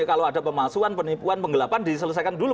kalau ada pemalsuan penipuan penggelapan diselesaikan dulu